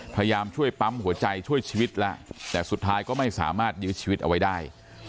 พยายามช่วยปั๊มหัวใจช่วยชีวิตแล้วแต่สุดท้ายก็ไม่สามารถยื้อชีวิตเอาไว้ได้